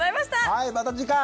はいまた次回！